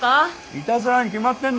イタズラに決まってんだろ。